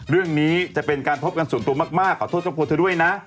เรื่องนี้จะเป็นการพบกันส่วนตัวมากขอโทษครอบครัวเธอด้วยนะ